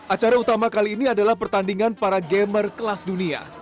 acara utama kali ini adalah pertandingan para gamer kelas dunia